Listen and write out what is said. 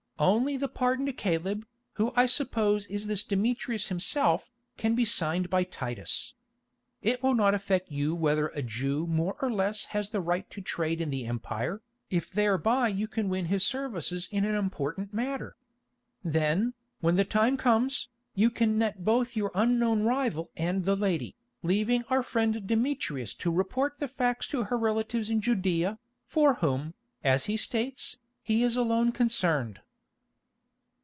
Only the pardon to Caleb, who I suppose is this Demetrius himself, can be signed by Titus. It will not affect you whether a Jew more or less has the right to trade in the Empire, if thereby you can win his services in an important matter. Then, when the time comes, you can net both your unknown rival and the lady, leaving our friend Demetrius to report the facts to her relatives in Judæa, for whom, as he states, he is alone concerned."